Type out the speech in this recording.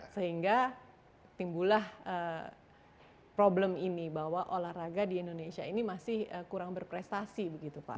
sehingga timbulah problem ini bahwa olahraga di indonesia ini masih kurang berprestasi begitu pak